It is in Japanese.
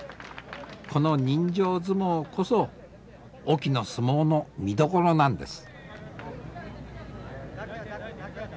この人情相撲こそ隠岐の相撲の見どころなんです。